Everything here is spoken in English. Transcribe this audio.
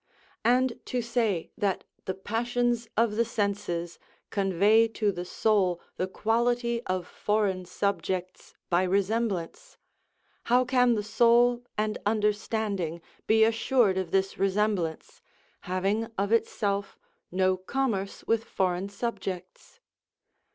And to say that the passions of the senses convey to the soul the quality of foreign subjects by resemblance, how can the soul and understanding be assured of this resemblance, having of itself no commerce with foreign subjects?